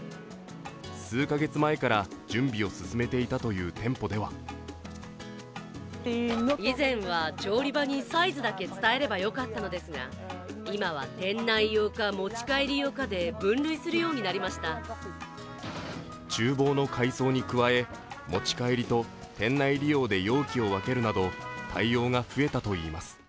数か月前から準備を進めていたという店舗ではちゅう房の改装に加え持ち帰りと店内利用で容器を分けるなど対応が増えたといいます。